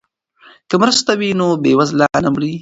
که مرسته وي نو بیوزله نه مري.